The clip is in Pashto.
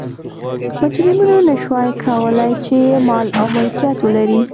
مجرمینو نه شوای کولای چې مال او ملکیت ولري.